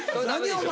お前。